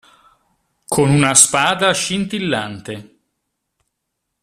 Con una spada scintillante.